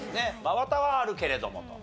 「真綿」はあるけれどもと。